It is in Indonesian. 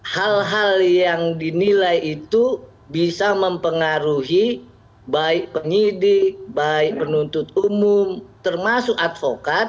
hal hal yang dinilai itu bisa mempengaruhi baik penyidik baik penuntut umum termasuk advokat